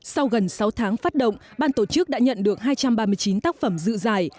sau gần sáu tháng phát động ban tổ chức đã nhận được hai trăm ba mươi chín tác phẩm dự giải